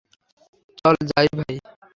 চল যাই ভাই।